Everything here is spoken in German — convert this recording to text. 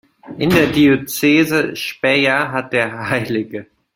In der Diözese Speyer hat der Hl.